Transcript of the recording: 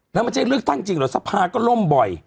แล้วมันจะเลือกตั้งจริงเหรอสภาก็ล่มบ่อย